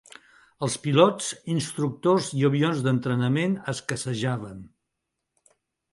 Els pilots, instructors i avions d'entrenament escassejaven.